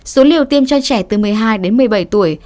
số liều tiêm cho trẻ từ một mươi hai đến một mươi bảy tuổi